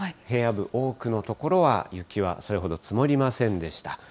平野部、多くの所は、雪はそれほど積もりませんでした。